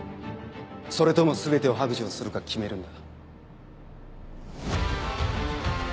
それとも全てを白状するか決めるんだ。